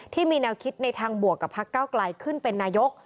ที่มีแนวคิดในทางบวกกับพักเก้าไกลขึ้นเป็นนายก